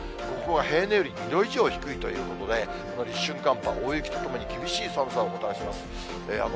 ここは平年より２度以上低いということで、立春寒波、大雪とともに厳しい寒さをもたらします。